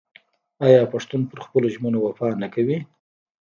آیا پښتون په خپلو ژمنو وفا نه کوي؟